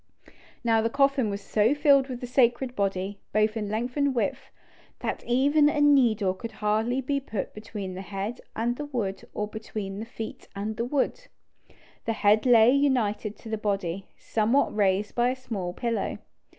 Now the coffin was so filled with the sacred body, both in length and width, that even a needle could hardly be put between the head and the wood or between the feet and the wood. The head lay united to the body, somewhat raised by a small pillow.